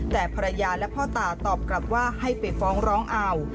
แต่ภรรยาและพ่อตาตอบกลับว่าให้ไปฟ้องร้องเอา